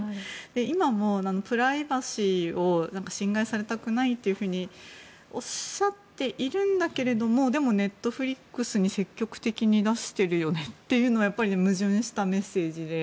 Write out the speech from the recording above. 今もプライバシーを侵害されたくないというふうにおっしゃっているんだけれどもでもＮｅｔｆｌｉｘに積極的に出しているねというのはやっぱり矛盾したメッセージで。